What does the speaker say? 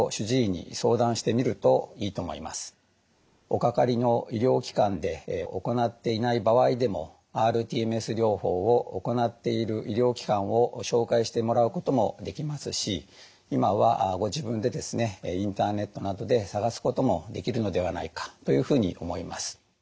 おかかりの医療機関で行っていない場合でもｒＴＭＳ療法を行っている医療機関を紹介してもらうこともできますし今はご自分でインターネットなどで探すこともできるのではないかというふうに思います。